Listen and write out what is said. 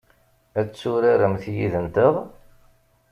Ad turaremt yid-nteɣ?